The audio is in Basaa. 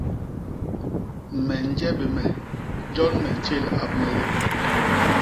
Me nje bé me, jon me ntjél ap malép.